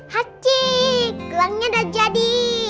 haci gelangnya udah jadi